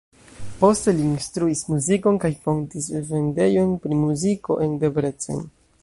Poste li instruis muzikon kaj fondis vendejon pri muziko en Debrecen.